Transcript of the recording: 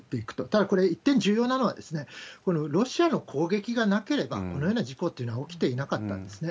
ただ、これ、一点、重要なのは、ロシアの攻撃がなければ、このような事故というのは起きていなかったんですね。